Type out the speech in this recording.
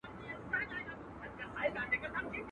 وايي عقل دي د چا څخه زده کړی، وايي د بې عقله.